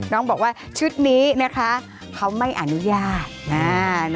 น้องบอกว่าชุดนี้นะคะเขาไม่อนุญาต